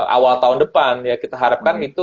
awal tahun depan ya kita harapkan itu